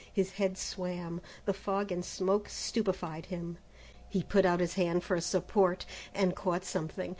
His head swam; the fog and smoke stupefied him. He put out his hand for a support and caught something.